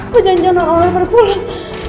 kejanjian orang orang pada pulang